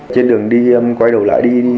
trên đường đi em quay đầu lại đi đi